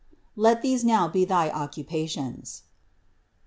Let these now be thy occupations."